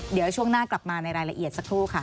เดี๋ยวช่วงหน้ากลับมาในรายละเอียดสักครู่ค่ะ